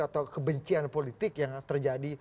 atau kebencian politik yang terjadi